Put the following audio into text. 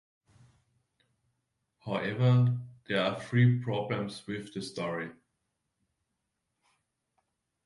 However, there are three problems with the story.